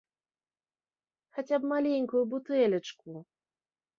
Хаця б маленькую бутэлечку!